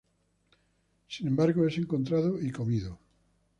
Sin embargo, es encontrado y comido.